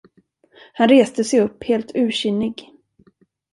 Han reste sig upp, helt ursinnig.